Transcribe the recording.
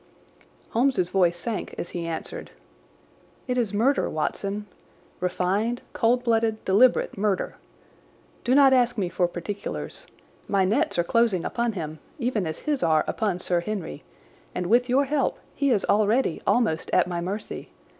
Holmes's voice sank as he answered: "It is murder, Watson—refined, cold blooded, deliberate murder. Do not ask me for particulars. My nets are closing upon him, even as his are upon Sir Henry, and with your help he is already almost at my mercy.